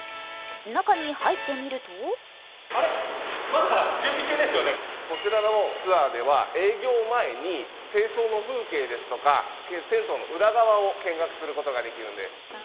銭湯の数、都内ナンバーワンの台東区がこちらのツアーでは営業前に清掃の風景ですとか銭湯の裏側を見学することができるんです。